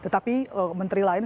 tapi menteri lain